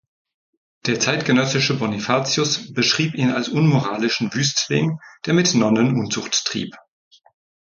Der zeitgenössische Bonifatius beschrieb ihn als unmoralischen Wüstling, der mit Nonnen Unzucht trieb.